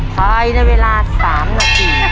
ภายในเวลา๓นาที